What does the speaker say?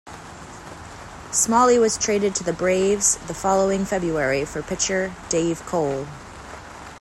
Smalley was traded to the Braves the following February for pitcher Dave Cole.